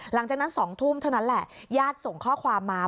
หลังจากนั้น๒ทุ่มเท่านั้นแหละญาติส่งข้อความมา